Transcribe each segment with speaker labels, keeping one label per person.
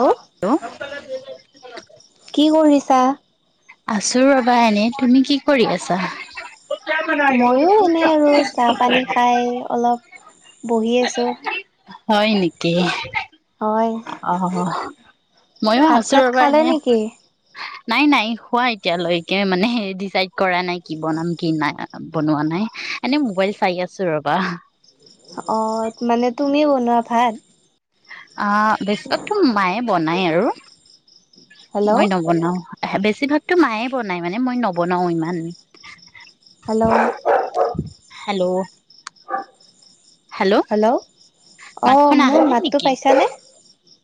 Speaker 1: Hello কি কৰিছে চাহ
Speaker 2: আছো ৰবা এনে তুমি কি কৰি আছা
Speaker 1: মই এনে আৰু চাহ পানী খাই অলপ বহি আছো
Speaker 2: হয় নেকি
Speaker 1: হয়,
Speaker 2: আহ ময়ো
Speaker 1: ভাত
Speaker 2: আছো ৰ
Speaker 1: চাত
Speaker 2: পৰা
Speaker 1: খালে
Speaker 2: এনে
Speaker 1: নেকি?
Speaker 2: নাই নাই হোৱা এতিয়ালৈকে মানে ডিচাইড কৰা নাই কি বনাম কি নাই বনোৱা নাই এনে মোবাইল চাই আছো ৰবা
Speaker 1: অ' মানে তুমি বনোৱা ভাত?
Speaker 2: অ বেছিভাগতো মায়ে বনাই আৰু মই
Speaker 1: হেল্ল'
Speaker 2: নবনাও আহ বেছি বেছিভাগতো মায়ে বনাই মানে মই নবনাও ইমান
Speaker 1: হেল্ল'
Speaker 2: হেল্ল'
Speaker 1: হেল্ল' অঁ
Speaker 2: মাতখন আহা
Speaker 1: মোৰ
Speaker 2: নাই
Speaker 1: মাতটো
Speaker 2: নেকি
Speaker 1: পাইছানে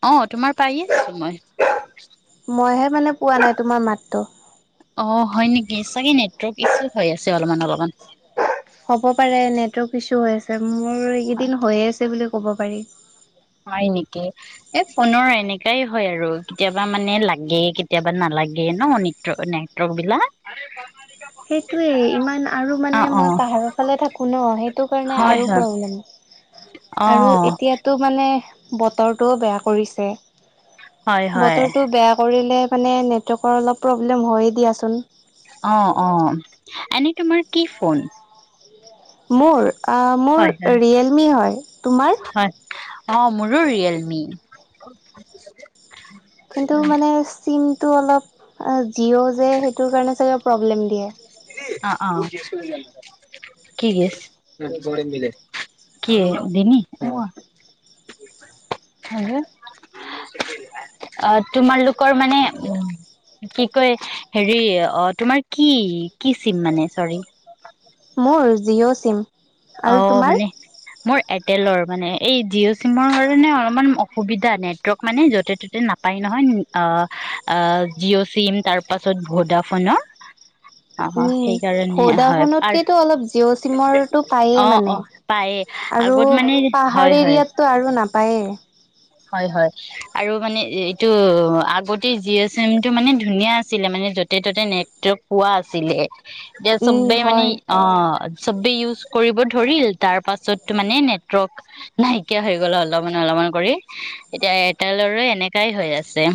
Speaker 2: অ তোমাৰ পায়ে আছো মই
Speaker 1: মইহে মানে পোৱা নাই তোমাৰ মাতটো
Speaker 2: অ হয় নেকি চাগে নেটৱৰ্ক ইছু হৈ আছে অলপমান অলপমান
Speaker 1: হ'ব পাৰে নেটৱৰ্ক ইচো হৈ আছে মোৰ এইকেইদিন হৈয়ে আছে বুলি ক ক'ব পাৰি
Speaker 2: হয় এনেকে এই ফোনৰ এনেকাই হয় আৰু কেতিয়াবা মানে লাগে কেতিয়াবা নালাগে ন ন নেটৱৰ্ক বিলাক
Speaker 1: সেইটোৱেই ইমান আৰু মানে
Speaker 2: অ',
Speaker 1: মই
Speaker 2: অ',
Speaker 1: পাহাৰৰ ফালে থাকো ন সেইটো কাৰণে
Speaker 2: হয়,
Speaker 1: আৰু
Speaker 2: হয়,
Speaker 1: প্ৰব্লেম আৰু
Speaker 2: অ',
Speaker 1: এতিয়াতো মানে বতৰটোও বেয়া কৰিছে
Speaker 2: হয়, হয়,
Speaker 1: বতৰটো বেয়া কৰিলে মানে নেটৱৰ্কৰ অলপ প্ৰব্লেম হয়য়ে দিয়াচোন।
Speaker 2: অ' অ' এনেই তোমাৰ কি ফোন?
Speaker 1: মোৰ মোৰ
Speaker 2: হয়, হয়,
Speaker 1: ৰিয়েলমি হয়। তোমাৰ?
Speaker 2: হয়, অ', মোৰো ৰিয়েলমি [inaudible]
Speaker 1: কিন্তু মানে ছিমটো অলপ জিঅ' যে সেইটোৰ কাৰণে চাগে প্ৰব্লেম দিয়ে
Speaker 2: অ' অ' কি কি দি অ হল অ তোমালোকৰ মানে উ কি কয় হেৰি অ তোমাৰ কি? কি চিম মানে চৰি?
Speaker 1: মোৰ জিঅ' চিম।
Speaker 2: অ
Speaker 1: আৰু তোমাৰ?
Speaker 2: মানে মোৰ টেলৰ মানে এই জিঅ' চিমৰ কাৰণে অলপমান অসুবিধা নেটৱৰ্ক মানে য'তে ত'তে নাপায় নহয় অ' আহ জিঅ' চিম তাৰ পাছত ভোডা ফোনৰ।
Speaker 1: উম
Speaker 2: আৰু
Speaker 1: ভোডাফোনতকেতো অলপ জিঅ' চিমৰটো পায়।
Speaker 2: অ
Speaker 1: এ মানে
Speaker 2: অ পায়ে
Speaker 1: আৰু
Speaker 2: আগত মানে হয়
Speaker 1: পাহাৰ
Speaker 2: হয়
Speaker 1: এৰিয়াতটো আৰু নাপ পায়
Speaker 2: হয় হয় আৰু মানে এইটো আগতে জিঅ' চিমটো মানে ধুনীয়া আছিলে মানে য'তে ত'তে নেটৱৰ্ক পোৱা আছিলে। এতিয়া
Speaker 1: উম
Speaker 2: চবে মানে
Speaker 1: হয়।
Speaker 2: অ', চবে ইউজ কৰিব ধৰিল তাৰ পাছত মানে নেটৱৰ্ক নাইকিয়া হৈ গ'ল অলপমান অলপমান কৰি। এতিয়া এটা লৰা এনেকাই হৈ আছে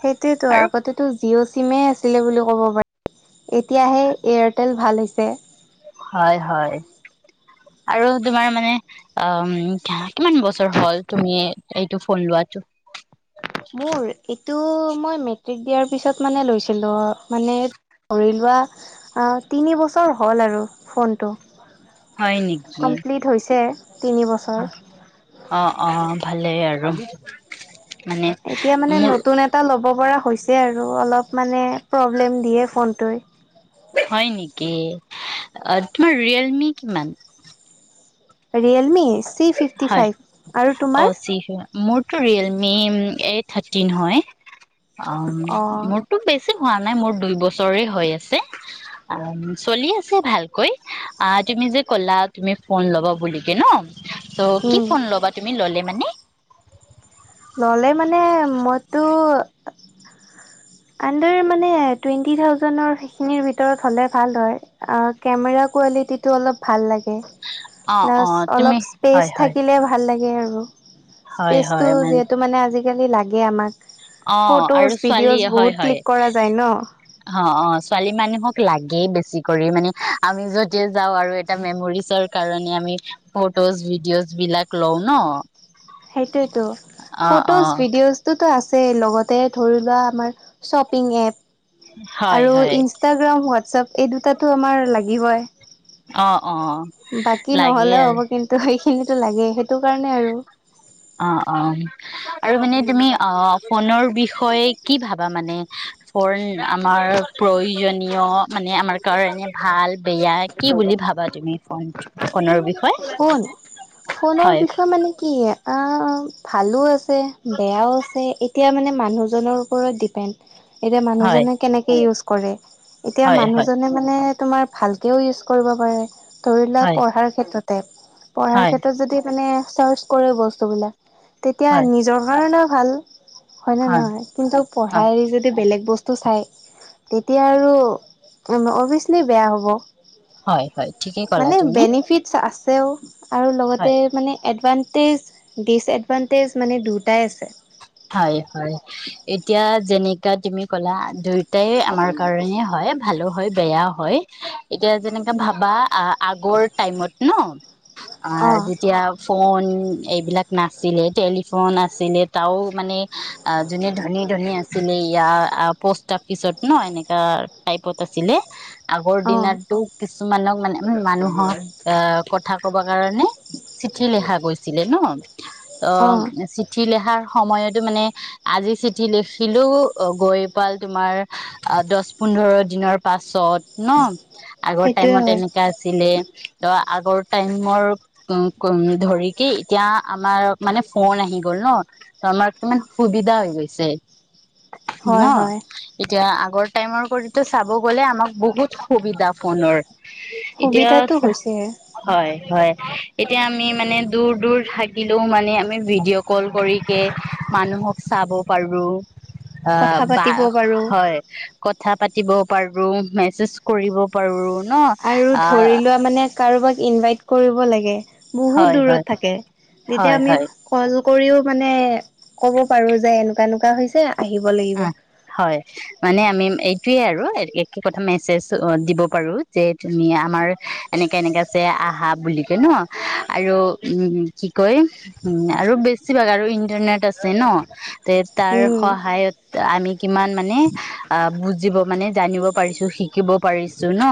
Speaker 1: সেইটোয়েতো
Speaker 2: আৰু
Speaker 1: আগতেটো জিঅ' চিমে আছিলে বুলি ক'ব পাৰি এতিয়াহে এয়াৰটেল ভাল হৈছে।
Speaker 2: হয় হয় আৰু তোমাৰ মানে অ কিমান বছৰ হ'ল তুমি এইটো ফোন লোৱাটো?
Speaker 1: মোৰ টো মই মেট্ৰিক দিয়াৰ পিছত মানে লৈছিলো মানে ধৰি লোৱা তিনি বছৰ হ'ল আৰু ফোনটো।
Speaker 2: হয় নেকি
Speaker 1: কমপ্লিট হৈছে। তিনি বছৰ
Speaker 2: অ' অ' ভালেই আৰু। [inaudible]
Speaker 1: এতিয়া মানে
Speaker 2: মোৰ
Speaker 1: নতুন এটা ল'ব ল'ব পৰা হৈছে আৰু অলপ মানে প্ৰব্লেম দিয়ে ফোনটোৱে
Speaker 2: হয় নেকি তোমাৰ ৰিয়েলমি কিমান?
Speaker 1: ৰিয়েলমি চি ফিফটি ফাইভ আৰু তোমাৰ?
Speaker 2: মোৰতটো ৰিয়েলমি এই থাৰ্টিন হয়। অ
Speaker 1: অঁ
Speaker 2: মটো পেছা হোৱা নাই মোৰ দুই বছৰে হৈ আছে অ চলি আছে ভালকৈ আহ তুমি যে কলা তুমি ফোন ল'বা বুলিকে ন ত' কি
Speaker 1: উম
Speaker 2: ফোন ল'বা তুমি ল'লে। মানে
Speaker 1: ল'লে মানে মইতো আনডাৰ মানে টুৱেণ্টি থাজেডৰ সেইখিনিৰ ভিতৰত হ'লে ভাল হয় কেমেৰা কোৱালিটিটো অলপ ভাল লাগ
Speaker 2: অ অ তুমি
Speaker 1: অলপ
Speaker 2: হয়
Speaker 1: স্পেচ
Speaker 2: হয়
Speaker 1: থাকিলে ভাল লাগে। থাকে আৰু
Speaker 2: হয় হয়
Speaker 1: স্পেচটো যিহেতু মানে আজি আজিকালি লাগে আমাক।
Speaker 2: অ
Speaker 1: ফটোজ
Speaker 2: আৰু
Speaker 1: ভিডিঅ'জ
Speaker 2: ছোৱালীয়ে। হয়
Speaker 1: বহুত
Speaker 2: হয়
Speaker 1: ক্লিক কৰা যায় ন
Speaker 2: অ অ ছোৱালী মানুহক লাগেই বেছি কৰি মানে আমি যদি যাওঁ আৰু এটা মেমৰিজৰ কাৰণে আমি ফটোজ ভিডিঅ'জ বিলাক লওঁ ন।
Speaker 1: সেইটোয়েটো
Speaker 2: অ অ
Speaker 1: ফটোজ ভিডিঅজটো। টো আছে লগতে ধৰি লোৱা আমাৰ শ্বপিং এপ
Speaker 2: হয়
Speaker 1: আৰু
Speaker 2: হয়
Speaker 1: ইনষ্টাগ্ৰাম হোৱাটছপ। এই দুটাটো আমাৰ লাগি হয়।
Speaker 2: অ অ
Speaker 1: বাকী
Speaker 2: লাগে
Speaker 1: নহলেও
Speaker 2: আৰু
Speaker 1: হ'ব কিন্তু। খিনিতো লাগে সেইটো কাৰণে আৰু
Speaker 2: অ অ আৰু মানে তুমি অ ফোনৰ বিষয়ে কি ভাবা মানে ফোন আমাৰ প্ৰয়োজনীয় মানে আমাৰ কাৰণে ভাল। বেয়া কি বুলি ভাবা তুমি ফোন। ফোনৰ বিষয়ে
Speaker 1: ফোন ফোনৰ
Speaker 2: হয়
Speaker 1: বিষয়ে মানে কি? ভালো আছে বেয়াও আছে এতিয়া মানে মানুহজনৰ ওপৰত ডিপেণ্ড। এতিয়া
Speaker 2: হয়
Speaker 1: মানুহজনে কেনেকে ইউজ কৰে। এতিয়া
Speaker 2: হয় হয়
Speaker 1: মানুহজনে মানে। তোমাৰ ভালকে ইউজ কৰিব পাৰে। ধৰিলক [unintelligible]
Speaker 2: হয়
Speaker 1: পঢ়াৰ
Speaker 2: হয়
Speaker 1: ক্ষেত্ৰত যদি মানে চাৰ্চ কৰে বস্তুবিলাক। তেতিয়া
Speaker 2: হয়
Speaker 1: নিজৰ কাৰণে ভাল হয়নে
Speaker 2: হয়
Speaker 1: নহয় কিন্তু
Speaker 2: হয়
Speaker 1: পঢ়াই যদি বেলেগ বস্তু চাই তেতিয়া আৰু অভিয়াচলি বেয়া হ'ব
Speaker 2: হয় হয় ঠিকেই কলা তুমি।
Speaker 1: চা আছেও আৰু
Speaker 2: হয়
Speaker 1: লগতে মানে এডভানটেজ ডিচএডভানটেজ মানে দুটাই আছে।
Speaker 2: হয় হয় এতিয়া যেনেকা তুমি ক'লা ধৰি এটাই আমাৰ কাৰণে হয় ভালো হয় বেয়া হয়। হয় এতিয়া যেনেকা ভাবা আ আগৰ টাইমত ন
Speaker 1: অ',
Speaker 2: যেতিয়া ফোন এইবিলাক নাছিলে টেলিফোন আছিলে তও মানে, অ যোনে ধনী ধনী আছিলে ইয়াৰ পোষ্টাপিত অফিচত ন এনেকা টাইপত আছিলে। আগৰ
Speaker 1: অ',
Speaker 2: দিনো কিছুমানক মানে মানুহক আহ কথা কব কাৰণে চিঠি লিখা গৈছিলে ন অ চিঠি লিখা সময়তো মানে আজি চিঠি লিখিলো গৈ পাল তোমাৰ দহ পোন্ধৰ দিনৰ পাছত ন আগৰ
Speaker 1: সেইটোৱে
Speaker 2: টাইমত
Speaker 1: হয়,
Speaker 2: এনেকা আছিলে ত আগৰ টাইমৰ ধৰি কি এতিয়া আমাৰ মানে ফোন আহি গ'ল ন ত আমাৰ কিমান সুবিধা হৈ গৈছে।
Speaker 1: হয়,
Speaker 2: ন
Speaker 1: হয়।
Speaker 2: এতিয়া আগৰ টাইমৰ কৰিতো চাব গ'লে আমাক বহুত সুবিধা ফোনৰ।
Speaker 1: সুবিধাটো
Speaker 2: এতিয়া
Speaker 1: হৈছেহে
Speaker 2: হয় হয় এতিয়া আমি মানে দূৰ দূৰ থাকিলেও মানে আমি ভি মানুহক চাব পাৰো আহ
Speaker 1: কথা
Speaker 2: বা
Speaker 1: পাতিব পাৰো।
Speaker 2: হয় ক কথা পাতিব পাৰোঁ মেছেজ কৰিব পাৰোঁ
Speaker 1: আৰু ধৰি লোৱা মানে কাৰোবাক ইনভাইট কৰিব লাগে বহুত
Speaker 2: হয়
Speaker 1: দূৰত
Speaker 2: হয়
Speaker 1: থাকে তেতিয়া
Speaker 2: হয়
Speaker 1: আমি
Speaker 2: হয়
Speaker 1: কল কৰিও মানে ক'ব পাৰো যে এনেকুৱা এনেকুৱা হৈছে। আহিব লাগিব।
Speaker 2: অ হয় মানে আমি এই সয়ে আৰু একে কথা মেছেজ দিব পাৰো যে তুমি আমাৰ এনেকাে এনেকাে আছে আহা বুলি কয় ন আৰু উম কি কয় উম আৰু বেছিভাগ আৰু ইন্টাৰনেট আছে ন! তে তাৰ
Speaker 1: উম,
Speaker 2: সহায়ত আমি কিমান মানে, অ বুজিব মানে জানিব পাৰিছোঁ শিক শিকিব পাৰিছোঁ ন।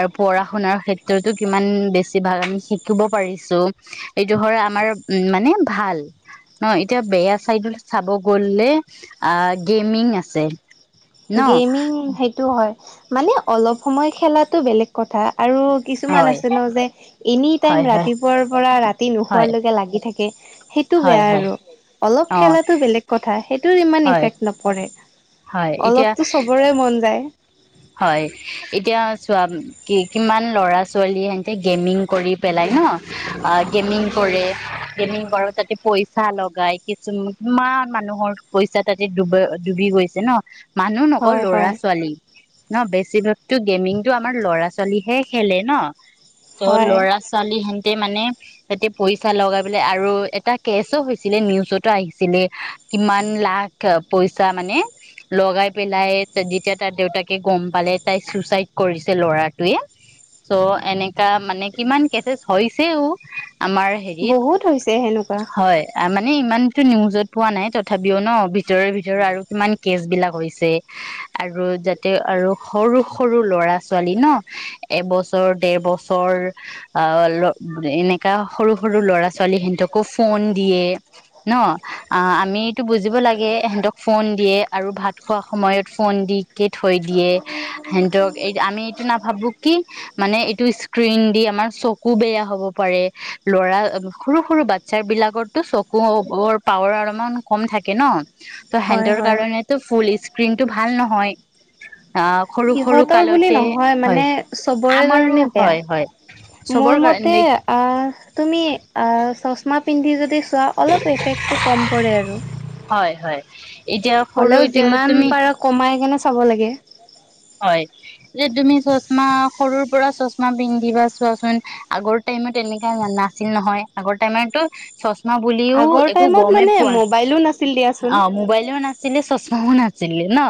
Speaker 2: আৰু পঢ়া শুনাৰ ক্ষেত্ৰতো কিমান বেছি ভাগ আমি শিকিব পাৰিছোঁ। এইটো হয় আমাৰ, উ, মানে ভাল। ন এতিয়া বেয়া চাইডত চাব গ'লে আঁ, গেমিং আছে ন
Speaker 1: গেইমিং, সেইটোও হয়। মানে অলপ সময় খেলাটো বেলেগ কথা। আৰু কিছুমান
Speaker 2: হয়
Speaker 1: আছে ন, যে এনি
Speaker 2: হয়
Speaker 1: টাইম
Speaker 2: হয়
Speaker 1: ৰাতিপুৱাৰ পৰা [unintelligible] তি
Speaker 2: হয়
Speaker 1: নুশুৱাৰলৈকে লাগি থাকে। কি সেইটো
Speaker 2: হয়
Speaker 1: বেয়া
Speaker 2: হয়
Speaker 1: আৰু। অলপ
Speaker 2: অ
Speaker 1: খেলাটো বেলেগ কথা, সেইটোৰ ইমান
Speaker 2: হয়
Speaker 1: ইফেক্ট নপৰে।
Speaker 2: হয় এতিয়া
Speaker 1: অলপতো চবৰে মন যায়।
Speaker 2: হয় এতিয়া চোৱা, কি, কিমান ল'ৰা ছোৱালী সতে গেমিং কৰি পেলাই ন, গেমিং কৰে, গেমিং কৰ তাতে পইচা লগাই, কিছু, কিমান মানুহৰ পইচা তাতে ডুব, ডুবি গৈছে ন! মানুহ নকও,
Speaker 1: হয়
Speaker 2: ল'ৰা
Speaker 1: হয়
Speaker 2: ছোৱালী। ন, বেছিভাগতো গেমিংটো, আমাৰ ল'ৰা ছোৱালীহে খেলে ন? চব
Speaker 1: হয়।
Speaker 2: ল'ৰা ছোৱালী সেন তাতে মানে সিহঁতে পইচা লগাই পেলাই, আৰু এটা কেচোঁ হৈছিলে, নিউজতো আহিছিলে। কিমান লাখ পইচা মানে, লগাই পেলাই, যেতিয়া তাৰ দেউতাকে গম পালে তাই চুচাইড কৰিছে, ল'ৰাটোৱে। চ' এনেকা মানে, কিমান কেচছ হৈছেও। আমাৰ হেৰিত,
Speaker 1: বহুত হৈছে সেনেকুৱা
Speaker 2: হয় আমাৰ। মে ইমানতো নিউজত পোৱা নাই, তথাপিও ন, ভিতৰে ভিতৰে আৰু কিমান কেচ বিলাক হৈছে। আৰু আৰু সৰু সৰু ল'ৰা ছোৱালী ন, এবছৰ ডেৰ বছৰ, অ'হ ল, এনেকা সৰু সৰু ল'ৰা ছোৱালী সিহঁতকো ফোন দিয়ে, ন, অ, আমিতটো বুজিব লাগে, সিহঁতক ফোন দিয়ে, আৰু ভাত খোৱা সময়ত ফোন দি ক থৈ দিয়ে, সিহঁতক, এই আমি এইটো নাভাবোঁ কি মানে, এইটো স্ক্ৰীণ দি, আমাৰ চকু বেয়া হ'ব পাৰে। ল'ৰা, সৰু সৰু বাচ্ছা বিলাকৰতো চকুৰ পাৱাৰ অলমান কম থাকে ন। ত'
Speaker 1: হয়
Speaker 2: সিহঁতৰ
Speaker 1: হয়।
Speaker 2: কাৰণে তো ফুল স্ক্ৰীন স্ক্ৰীণ টো ভাল নহয় আহ সৰু সৰু
Speaker 1: সিহঁতৰ বুলি
Speaker 2: কালতে
Speaker 1: নহয়,
Speaker 2: হয়
Speaker 1: মানে চবৰে
Speaker 2: আমাৰো
Speaker 1: কাৰণে বেয়া।
Speaker 2: হয় হয়
Speaker 1: মোৰ
Speaker 2: চবৰ
Speaker 1: মতে
Speaker 2: কাৰণে
Speaker 1: অ'হ, তুমি অ'হ চচমা পিন্ধি যদি চোৱা অলপ এফেক্টটো কম পৰে আৰু।
Speaker 2: হয় হয়! এতিয়া সৰু
Speaker 1: হ'লেও
Speaker 2: এতিয়া
Speaker 1: যিমান
Speaker 2: তুমি
Speaker 1: পাৰা কমাই কেনে চাব লাগে
Speaker 2: হয় যে তুমি চচমা সৰুৰ পৰা চচমা পিন্ধিবা চোৱাচোন আগৰ টাইমত এনেকা নাছিল নহয় আগৰ টাইমতো চমা [unintelligible] চমা বুলিও
Speaker 1: আগৰ
Speaker 2: একো
Speaker 1: টাইমত
Speaker 2: গমেই
Speaker 1: মানে
Speaker 2: পোৱা
Speaker 1: মোবাইলো নাছিল দিয়াচোন
Speaker 2: অ মোবাইলেও নাছিলে চশমাও নাছিল [unintelligible] ন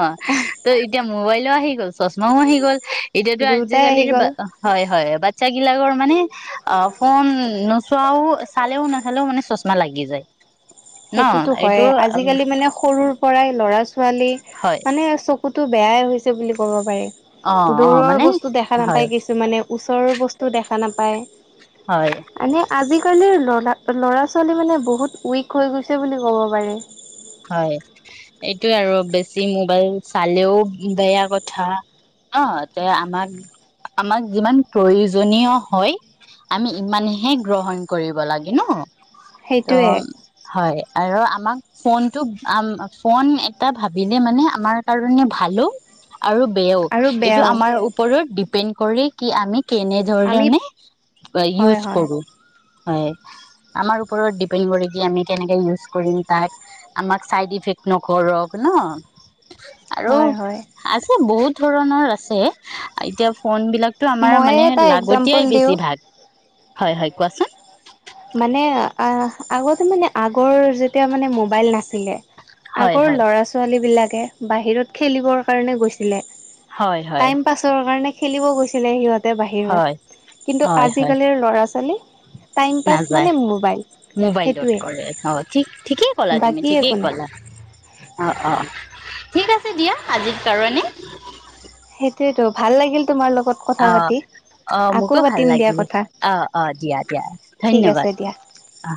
Speaker 2: ত এতিয়া মোবাইলো আহি ল চশমাও আহি গ'ল এতিয়াতো
Speaker 1: দুয়োটাই আহি
Speaker 2: আজিকালিৰ বা
Speaker 1: গ'ল।
Speaker 2: হয় হয় বাচ্ছা গিলাকৰ মানে অ ফোন নোচোৱাও চালেও নাচালেও মানে চচমা লাগি যায় ন
Speaker 1: সেইটোতো হয়
Speaker 2: এইটো
Speaker 1: আজিকালি মানে সৰু পৰাই ল'ৰা ছোৱালী
Speaker 2: হয়
Speaker 1: মানে কুতো বেয়াই হৈছে বুলি ক'ব পাৰি
Speaker 2: অ
Speaker 1: [unintelligible]
Speaker 2: অ
Speaker 1: দূৰৰ
Speaker 2: মানে
Speaker 1: বস্তু দেখা
Speaker 2: হয়
Speaker 1: নাপায় কিছুমানে ওচৰৰ বস্তু দেখা নাপায়
Speaker 2: হয়
Speaker 1: মানে আজিকালিৰ লৰা ল'ৰা ছোৱালী মানে বহুত উইক হৈ গৈছে বুলি ক'ব পাৰি
Speaker 2: হয় এইটোয়ে আৰু বেছি মোবাইল চালেও বেয়া কথা অ ত আমাক আমাক যিমান প্ৰয়োজনীয় হয় আমি ইমানহে গ্ৰহণ কৰিব লাগে ন ত
Speaker 1: সেইটোৱে
Speaker 2: হয় আৰু মমাক [unintelligible] ফোনটো, ফোন এটা ভাবিলে মানে আমাৰ কাৰণে ভালো। আৰু বেয়াও,
Speaker 1: আৰু
Speaker 2: এইটো
Speaker 1: বেয়াও
Speaker 2: আমাৰ ওপৰৰ পণ্ড কৰে কি আমি। [unintelligible] কেনে
Speaker 1: আমি
Speaker 2: ধৰেণনে
Speaker 1: হয়
Speaker 2: ইউজ
Speaker 1: হয়
Speaker 2: কৰো। হয় ।আমাৰ ওপৰত ডিপেণ্ড কৰে, কি আমি কেনেকে, ইউজ কৰিম তাক। আমাক চাইড ইফেক্ট নকৰক ন। আৰু
Speaker 1: হয় হয়।
Speaker 2: আছে বহুত। ধৰণৰ আছে। এতিয়া ফ'ন বিলাকতো আমাৰ
Speaker 1: মইয়ে
Speaker 2: মানে
Speaker 1: এটা এক্জাম্পল
Speaker 2: লাগতিয়াই বেছি
Speaker 1: দিওঁ
Speaker 2: ভাগ হয়', হয় কোৱাচোন?
Speaker 1: মানে আগতে, মানে আগৰ যেতিয়া মানে মোবাইল নাছিলে।
Speaker 2: হয়
Speaker 1: আগৰ
Speaker 2: হয়
Speaker 1: ল'ৰা ছোৱালী বিলাক। তে বাহিৰত খেলিবৰ কাৰণে গৈছিলে।
Speaker 2: হয় হয়
Speaker 1: টাইম পাছৰ কাৰণে। খেলিব গৈছিলে সিহত। বাহিৰত,
Speaker 2: হয়
Speaker 1: কিন্ত
Speaker 2: হয়
Speaker 1: আজিকালিৰ লৰা চালি। Time pass. মানে মোবাইল
Speaker 2: মবাইলত
Speaker 1: সেইটোৱে
Speaker 2: কৰে। অ, ঠিকেই ক'লা তুমি,
Speaker 1: বাকী একো
Speaker 2: ঠিকেই
Speaker 1: নাই।
Speaker 2: ক'লা। অ', অ। ঠিক আছে দিয়া, আজিৰ কাৰনে।
Speaker 1: সেইটোয়েতো, ভাল লাগিল। তোমাৰ লগত কথা
Speaker 2: অহ',
Speaker 1: পাতি।
Speaker 2: অহ
Speaker 1: আকৌ
Speaker 2: ।মোকো ভাল
Speaker 1: পাতিম দিয়া
Speaker 2: লাগিল
Speaker 1: কথা
Speaker 2: ।আহ, অ দিয়া দিয়া
Speaker 1: ঠিক
Speaker 2: ধন্যবাদ
Speaker 1: আছে দিয়া।
Speaker 2: ।অ।